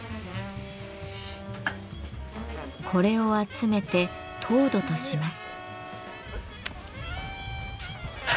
これを集めて陶土とします。